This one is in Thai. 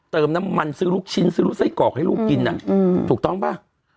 เติมน้ำมันซื้อลูกชิ้นซื้อลูกไส้กรอกให้ลูกกินถูกต้องป่ะ